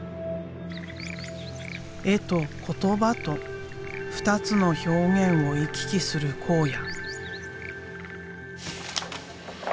絵と言葉と二つの表現を行き来する考哉。